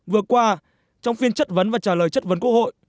vừa qua trong phiên chất vấn và trả lời chất vấn quốc hội